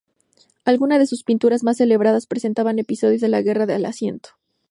Algunas de sus pinturas más celebradas representaban episodios de la Guerra del Asiento.